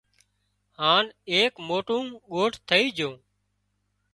هانَ ايڪ موٽون ڳوٺ ٿئي جھون